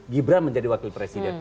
gibran menjadi wakil presiden